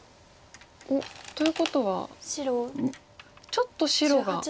おっということはちょっと白が。